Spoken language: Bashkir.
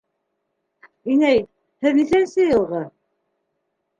— Инәй, һеҙ нисәнсе йылғы?